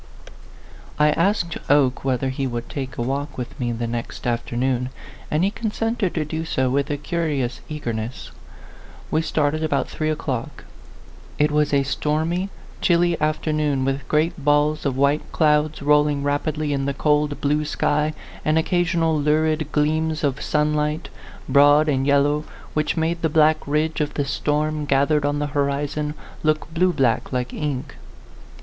I asked Oke whether he would take a walk with me the next afternoon, and he consented to do so with a curious eagerness. We started about three o'clock. It was a stormy, chilly afternoon, with great balls of white clouds rolling rapidly in the cold, blue sky, and occasional lurid gleams of sunlight, broad and yellow, which made the black ridge of the storm, gathered on the horizon, look blue black like ink.